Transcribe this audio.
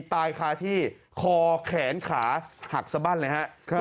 ตายคาที่คอแขนขาหักสบั้นเลยฮะ